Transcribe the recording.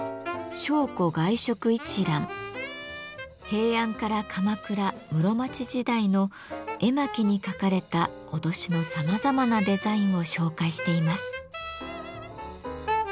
平安から鎌倉・室町時代の絵巻にかかれた威しのさまざまなデザインを紹介しています。